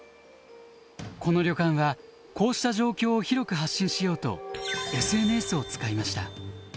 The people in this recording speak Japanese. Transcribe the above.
この旅館はこうした状況を広く発信しようとＳＮＳを使いました。